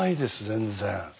全然。